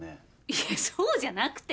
いやそうじゃなくて。